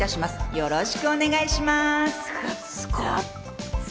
よろしくお願いします！